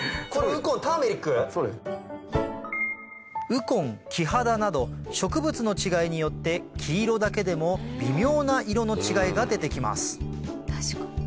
ウコンキハダなど植物の違いによって黄色だけでも微妙な色の違いが出て来ます